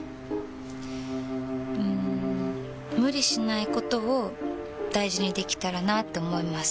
うん無理しないことを大事にできたらなって思います。